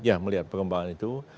ya melihat perkembangan itu